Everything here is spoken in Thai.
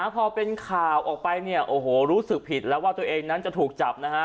พอเป็นข่าวออกไปรู้สึกผิดแล้วว่าตัวเองนั้นจะถูกจับ